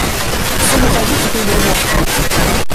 Ce n’est pas vous qui payez le bois.